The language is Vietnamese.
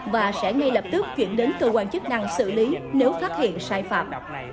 và sẽ ngay lập tức chuyển đến cơ quan chức năng xử lý nếu phát hiện sai phạm